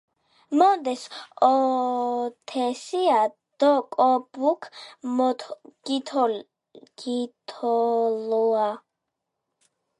მონდას ოოთესია დო კობუქ გითოლუა.